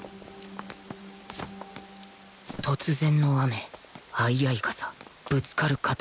突然の雨相合い傘ぶつかる肩